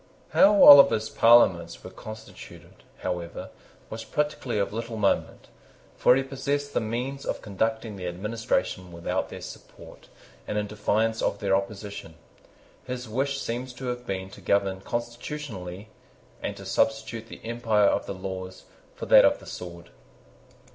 How Oliver's Parliaments were constituted, however, was practically of little moment: for he possessed the means of conducting the administration without their support, and in defiance of their opposition. His wish seems to have been to govern constitutionally, and to substitute the empire of the laws for that of the sword.